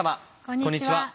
こんにちは。